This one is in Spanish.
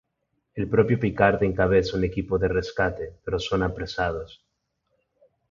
El propio Picard encabeza un equipo de rescate, pero son apresados.